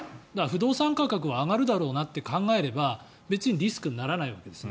不動産価格は上がるだろうなと考えれば別にリスクにならないわけです。